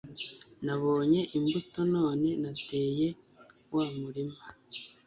nabonye imbuto none nateye wamurima